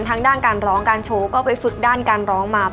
ทั้งด้านการร้องการโชว์ก็ไปฝึกด้านการร้องมา